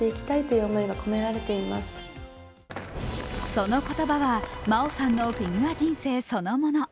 その言葉は真央さんのフィギュア人生そのもの。